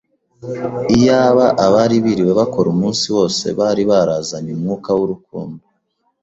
Iyaba abari biriwe bakora umunsi wose bari barazanye umwuka w’urukundo